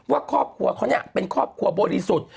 ว่าครอบครัวเขาเนี่ยเป็นครอบครัวบริสุทธิ์